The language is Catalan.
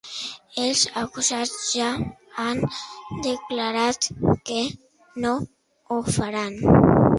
Els acusats ja han declarat que no ho faran.